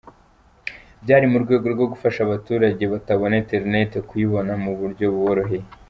Byari mu rwego rwo gufasha abaturage batabona internet kuyibona mu buryo buboroheye.